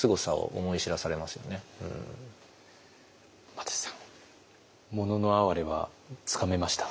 又吉さん「もののあはれ」はつかめました？